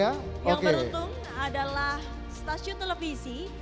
yang beruntung adalah stasiun televisi